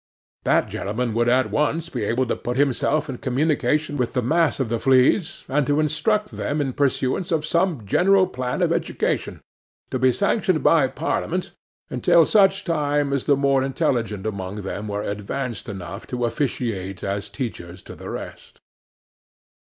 That gentleman would at once be able to put himself in communication with the mass of the fleas, and to instruct them in pursuance of some general plan of education, to be sanctioned by Parliament, until such time as the more intelligent among them were advanced enough to officiate as teachers to the rest.